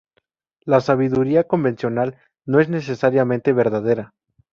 La sabiduría convencional no es necesariamente verdadera.